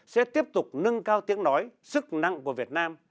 sẽ tiếp tục nâng cao tiếng nói sức năng của việt nam